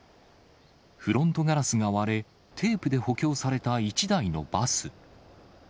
フロントガラスが割れ、テープで補強された一台のバス。